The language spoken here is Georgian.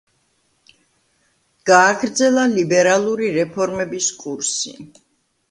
გააგრძელა ლიბერალური რეფორმების კურსი.